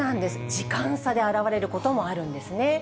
時間差で現れることもあるんですね。